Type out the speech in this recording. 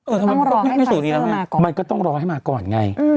เออทำไมไม่มีสูตรนี้แล้วไงมันก็ต้องรอให้มาก่อนไง